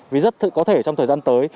vì rất có thể trong thời gian tới